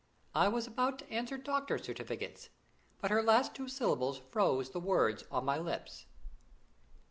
I was about to answer "Doctors' certificates," but her last two syllables froze the words on my lips.